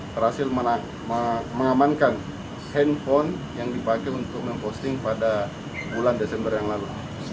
berhasil mengamankan handphone yang dipakai untuk memposting pada bulan desember yang lalu